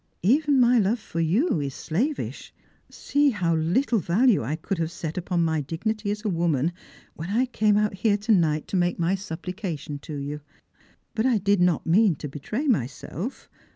Even my love for you is. slavish. See how little value I could have set ujion my dignity as a woman when I came out here to night to make my supplication to you. But I did not mean to betray myself.